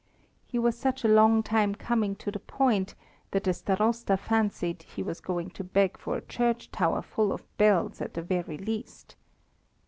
He was such a long time coming to the point that the Starosta fancied he was going to beg for a church tower full of bells at the very least.